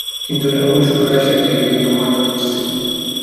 কিন্তু এটার মূল সুদূর রাশিয়া থেকে ভিয়েতনাম পর্যন্ত বিস্তৃত।